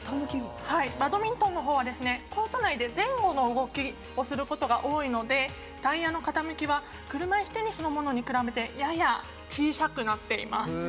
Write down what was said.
バドミントンのほうはコート内で前後の動きをすることが多いのでタイヤの傾きは車いすテニスと比べてやや小さくなっています。